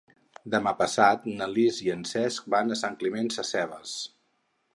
Demà passat na Lis i en Cesc van a Sant Climent Sescebes.